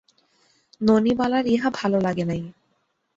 ননীবালার ইহা ভালো লাগে নাই।